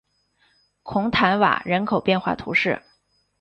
孔坦瓦人口变化图示